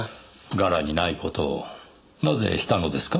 柄にない事をなぜしたのですか？